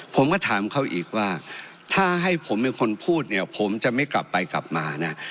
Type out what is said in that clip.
ผมก็ถามเขาอีกว่าถ้าให้ผมเป็นคนพูดเนี่ยผมจะไม่กลับไปกลับมานะ